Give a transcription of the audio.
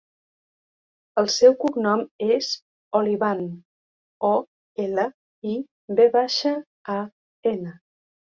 El seu cognom és Olivan: o, ela, i, ve baixa, a, ena.